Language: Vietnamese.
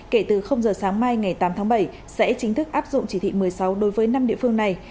kể từ giờ sáng mai ngày tám tháng bảy sẽ chính thức áp dụng chỉ thị một mươi sáu đối với năm địa phương này